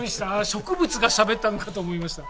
植物がしゃべったのかと思いました。